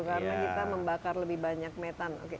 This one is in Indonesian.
karena kita membakar lebih banyak metan